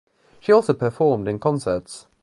She also performed in concerts.